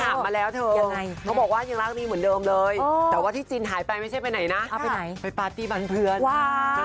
มาแล้วเธอยังไงเขาบอกว่ายังรักดีเหมือนเดิมเลยแต่ว่าที่จินหายไปไม่ใช่ไปไหนนะไปไหนไปปาร์ตี้บ้านเพื่อน